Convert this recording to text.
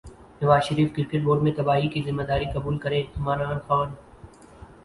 نواز Sharif cricket board میں تباہی کی ذمہ داری قبول کریں عمران خان